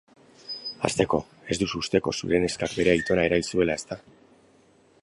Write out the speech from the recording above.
Hasteko, ez duzu usteko zure neskak bere aitona erail zuela, ezta?